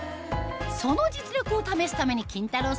その実力を試すためにキンタロー。